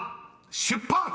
出発！］